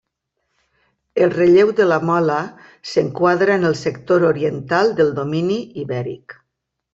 El relleu de la mola s'enquadra en el sector oriental del domini ibèric.